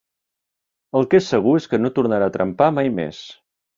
El que és segur és que no tornarà a trempar mai més.